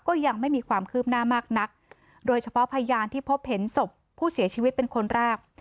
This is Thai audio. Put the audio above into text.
ยังไม่มีความคืบหน้ามากนักโดยเฉพาะพยานที่พบเห็นศพผู้เสียชีวิตเป็นคนแรก